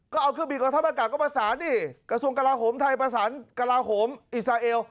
ก็เอาเครื่องบินกองทัพอากาศก็ประสานดิกระทรวงกลาโหมไทยประสานกระลาโหมอิสราเอล